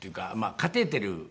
カテーテル